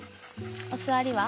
お座りは？